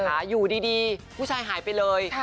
ใช่นะคะอยู่ดีผู้ชายหายไปเลย